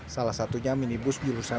salah satunya minibus diurusan